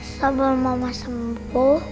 sambil mama sembuh